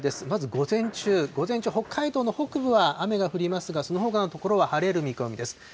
まず午前中、午前中、北海道の北部は雨が降りますが、そのほかの所は晴れる見込みです。